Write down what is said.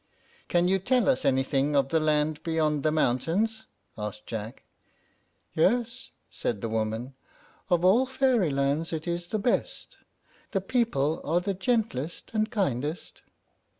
"Can you tell us anything of the land beyond the mountains?" asked Jack. "Yes," said the woman. "Of all fairy lands it is the best; the people are the gentlest and kindest."